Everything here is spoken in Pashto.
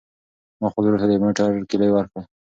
ما خپل ورور ته د موټر کیلي ورکړه.